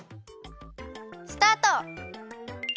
スタート！